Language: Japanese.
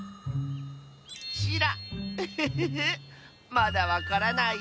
まだわからない？